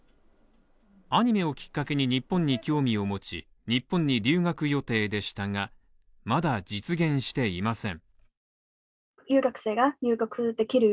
アニメをきっかけに日本に興味を持ち、日本に留学予定でしたが、まだ実現していません。